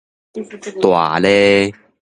大蛚